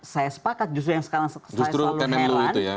saya sepakat justru yang sekarang saya selalu heran